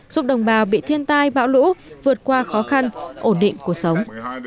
giúp đồng bào bị thiên tai bão lũ vượt qua khó khăn ổn định cuộc sống